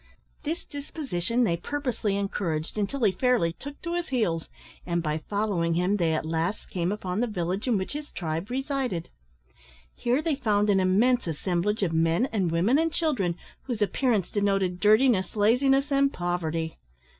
This disposition they purposely encouraged until he fairly took to his heels, and, by following him, they at last came upon the village in which his tribe resided. Here they found an immense assemblage of men, and women, and children, whose appearance denoted dirtiness, laziness, and poverty.